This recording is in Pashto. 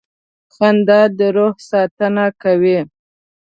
• خندا د روح ساتنه کوي.